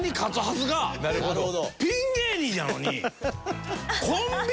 ピン芸人やのに。